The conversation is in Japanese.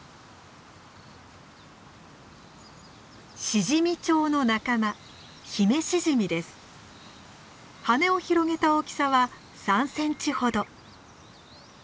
シジミチョウの仲間羽を広げた大きさは３センチほど。